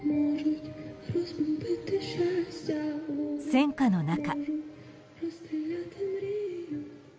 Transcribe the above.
戦火の中。